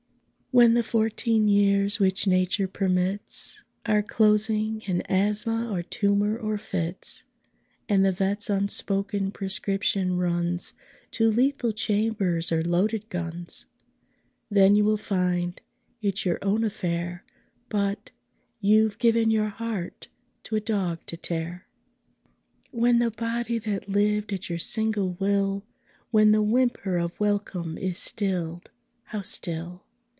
When the fourteen years which Nature permits Are closing in asthma, or tumour, or fits, And the vet's unspoken prescription runs To lethal chambers or loaded guns, Then you will find it's your own affair But... you've given your heart to a dog to tear. When the body that lived at your single will When the whimper of welcome is stilled (how still!)